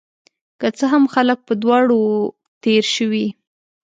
که څه هم، خلک په دواړو وو تیر شوي